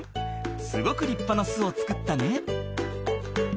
すごく立派な巣を作ったね！